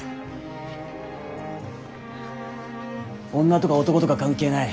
女とか男とか関係ない。